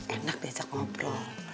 enak diajak ngobrol